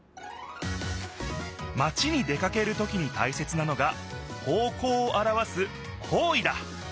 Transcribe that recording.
マチに出かけるときにたいせつなのが方向をあらわす「方位」だ！